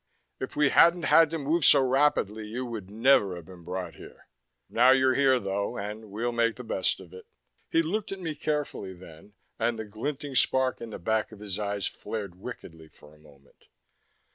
If we hadn't had to move so rapidly, you would never have been brought here. Now you're here, though, and we'll make the best of it." He looked at me carefully, then, and the glinting spark in the back of his eyes flared wickedly for a moment.